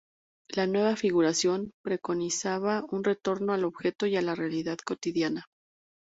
La nueva figuración preconizaba un retorno al objeto y a la realidad cotidiana.